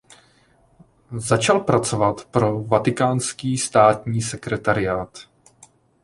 Začal pracovat pro vatikánský státní sekretarát.